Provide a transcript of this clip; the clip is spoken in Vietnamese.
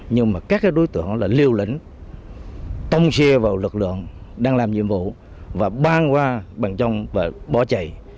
nhưng mà các đối tượng liêu lĩnh tông xe vào lực lượng đang làm nhiệm vụ và ban qua bằng trong và bỏ chạy